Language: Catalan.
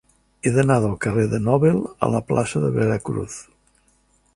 He d'anar del carrer de Nobel a la plaça de Veracruz.